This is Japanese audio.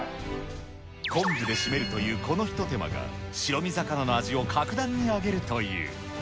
昆布で締めるという、この一手間が、白身魚の味を格段に上げるという。